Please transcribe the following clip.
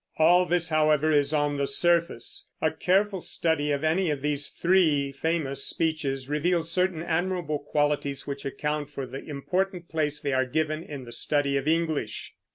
All this, however, is on the surface. A careful study of any of these three famous speeches reveals certain admirable qualities which account for the important place they are given in the study of English.